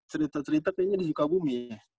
cerita cerita kayaknya di sukabumi